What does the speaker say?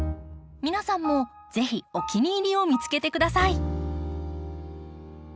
皆さんも是非お気に入りを見つけて下さい。